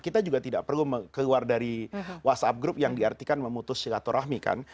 kita juga tidak perlu keluar dari whatsapp group yang diartikan memutus silaturahmi kan